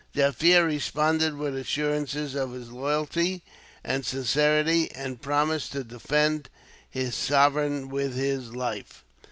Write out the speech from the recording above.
Jaffier responded with assurances of his loyalty and sincerity, and promised to defend his sovereign with his life.